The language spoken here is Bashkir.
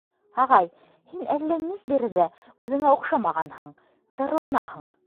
— Ағай, һин әллә ни бер ҙә үҙеңә оҡшамағанһың, зарланаһың.